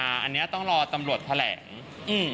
อันนี้ต้องรอตำรวจแถลงอืม